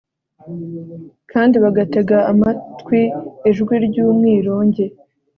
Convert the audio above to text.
kandi bagatega amatwi ijwi ry'umwirongi